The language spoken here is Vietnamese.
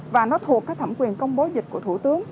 và nó thuộc cái thẩm quyền công bố dịch của thủ tướng